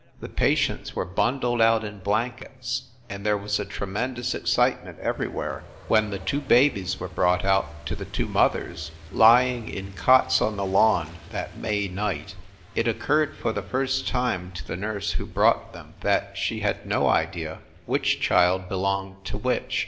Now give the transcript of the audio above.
The patients were bundled out in blankets, and there was a tremendous excitement everywhere. When the two babies were brought out to the two mothers, lying in cots on the lawn, that May night, it occurred for the first time to the nurse who brought them that she had no idea which child belonged to which.